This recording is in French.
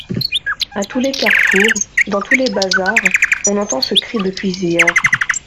À tous les carrefours, dans tous les bazars, on entend ce cri depuis hier.